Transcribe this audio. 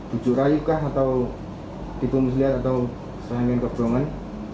ducurayu kah atau ditumis lihat atau serahkan kekebangan